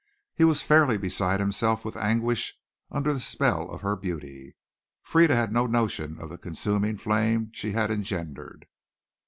He was fairly beside himself with anguish under the spell of her beauty. Frieda had no notion of the consuming flame she had engendered.